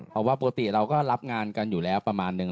เพราะว่าปกติเราก็รับงานกันอยู่แล้วประมาณนึง